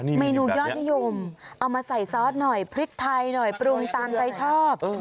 เมนูยอดนิยมเอามาใส่ซอสหน่อยพริกไทยหน่อยปรุงตามใจชอบ